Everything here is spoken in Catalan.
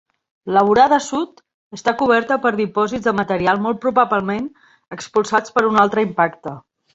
La vorada sud està coberta per dipòsits de material, molt probablement expulsats per un altre impacte.